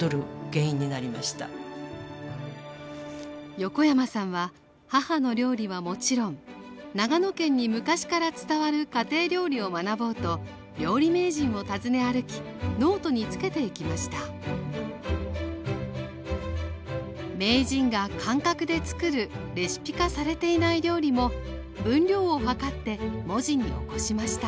横山さんは母の料理はもちろん長野県に昔から伝わる家庭料理を学ぼうと料理名人を訪ね歩きノートにつけていきました名人が感覚でつくるレシピ化されていない料理も分量を量って文字に起こしました